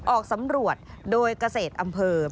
ออกสำรวจโดยเกษตรอำเภอ